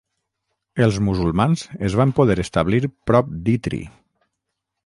Els musulmans es van poder establir prop d'Itri.